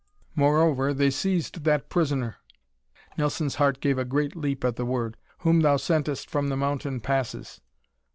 Moreover, they seized that prisoner" Nelson's heart gave a great leap at the word "whom thou sentest from the mountain passes."